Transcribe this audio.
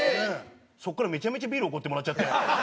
そこからめちゃめちゃビールおごってもらっちゃって。